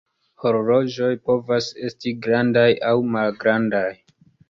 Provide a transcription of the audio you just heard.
Horloĝoj povas esti grandaj aŭ malgrandaj.